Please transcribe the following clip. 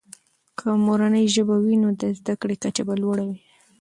که مورنۍ ژبه وي، نو د زده کړې کچه به لوړه وي.